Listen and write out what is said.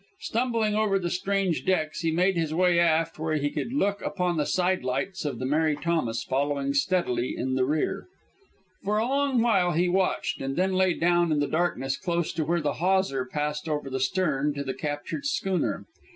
Stumbling over the strange decks, he made his way aft where he could look upon the side lights of the Mary Thomas, following steadily in the rear. For a long while he watched, and then lay down in the darkness close to where the hawser passed over the stern to the captured schooner.